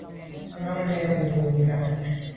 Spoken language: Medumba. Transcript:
Màa nèn ndù’ nà.